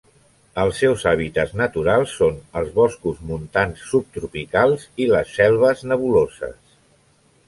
Els seus hàbitats naturals són els boscos montans subtropicals i les selves nebuloses.